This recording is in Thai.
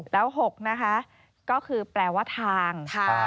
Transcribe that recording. แล้ว๖นะคะก็คือแปลว่าทาง